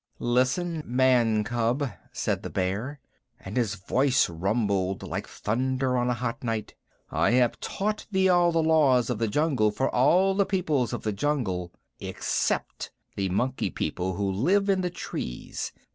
"Listen, man cub," said the Bear, and his voice rumbled like thunder on a hot night. "I have taught thee all the Law of the Jungle for all the peoples of the jungle except the Monkey Folk who live in the trees.